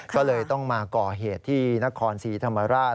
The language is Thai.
ก็เลยต้องมาก่อเหตุที่นครศรีธรรมราช